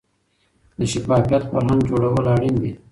د شفافیت فرهنګ جوړول اړین دي